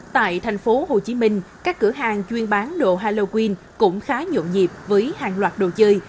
tại tp hcm các cửa hàng chuyên bán đồ halloween cũng khá nhộn nhịp với hàng loạt đồ chơi